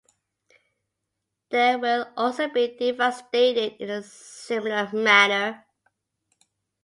They will also be devastated in a similar manner.